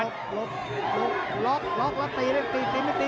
ลุกลุกลุกลุกลุกตีได้ตีไม่ตี่กายเหลี่ยมไปเรื่อย